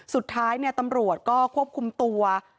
สุดท้ายตำรวจก็ควบคุมตัว